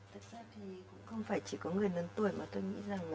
thực ra thì cũng không phải chỉ có người lớn tuổi mà tôi nghĩ rằng